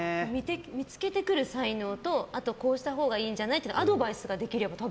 見つけてくる才能とあと、こうしたほうがいいんじゃないっていうアドバイスができれば。